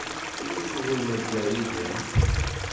Ulac ugur ma ddiɣ yid-m?